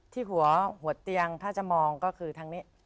ที่หัวเตียงถ้าจะมองก็คือทางนี้